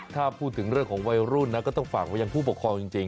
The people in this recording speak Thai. ถ้าพูดถึงเรื่องของวัยรุ่นนะก็ต้องฝากไว้ยังผู้ปกครองจริง